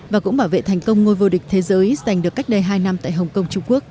và cũng bảo vệ thành công ngôi vô địch thế giới giành được cách đây hai năm tại hồng kông trung quốc